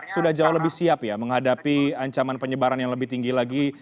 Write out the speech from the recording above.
sudah jauh lebih siap ya menghadapi ancaman penyebaran yang lebih tinggi lagi